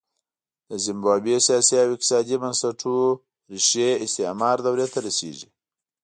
د زیمبابوې سیاسي او اقتصادي بنسټونو ریښې استعمار دورې ته رسېږي.